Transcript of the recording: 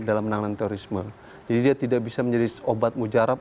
dalam menangani terorisme jadi dia tidak bisa menjadi obat mujarab